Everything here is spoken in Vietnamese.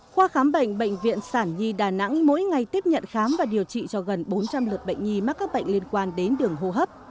khoa khám bệnh bệnh viện sản nhi đà nẵng mỗi ngày tiếp nhận khám và điều trị cho gần bốn trăm linh lượt bệnh nhi mắc các bệnh liên quan đến đường hô hấp